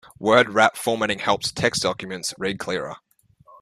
Word wrap formatting helps text documents read clearer.